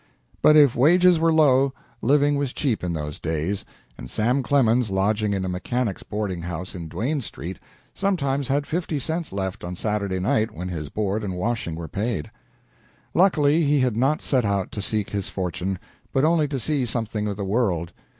But if wages were low, living was cheap in those days, and Sam Clemens, lodging in a mechanics' boarding house in Duane Street, sometimes had fifty cents left on Saturday night when his board and washing were paid. Luckily, he had not set out to seek his fortune, but only to see something of the world.